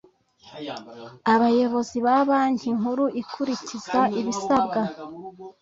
Abayobozi ba Banki Nkuru ikurikiza ibisabwa